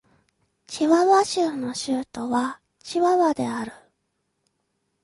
チワワ州の州都はチワワである